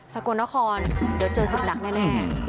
กลนครเดี๋ยวเจอศึกหนักแน่